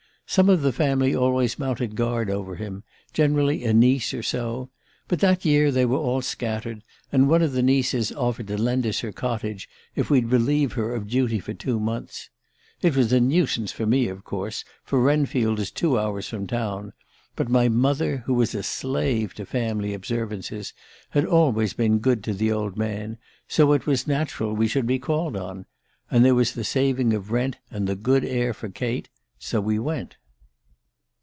Some of the family always mounted guard over him generally a niece or so. But that year they were all scattered, and one of the nieces offered to lend us her cottage if we'd relieve her of duty for two months. It was a nuisance for me, of course, for Wrenfield is two hours from town; but my mother, who was a slave to family observances, had always been good to the old man, so it was natural we should be called on and there was the saving of rent and the good air for Kate. So we went.